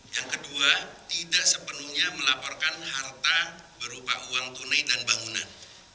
yang kedua tidak sepenuhnya melaporkan harta berupa uang tunai dan bangunan